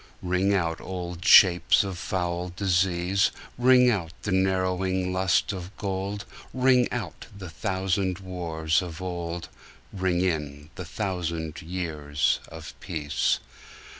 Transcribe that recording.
Ring out old shapes of foul disease, Ring out the narrowing lust of gold; Ring out the thousand wars of old, Ring in the thousand years of peace.